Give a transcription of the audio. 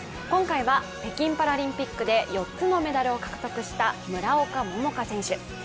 今回は北京パラリンピックで４つのメダルを獲得した村岡桃佳選手。